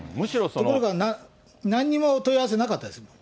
ところが、なんにも問い合わせなかったですね。